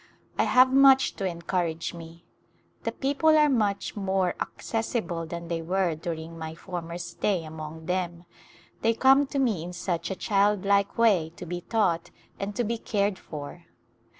I have much to encourage me. The people are much more ac cessible than they were during my former stay among them ; they come to me in such a childlike way to be taught and to be cared for.